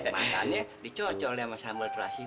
makannya dicocol sama sambal terasi